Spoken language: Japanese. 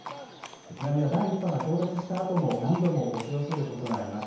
津波は第１波が到達したあとも何度も押し寄せることがあります。